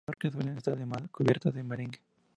En Menorca suelen estar, además, cubiertas de merengue.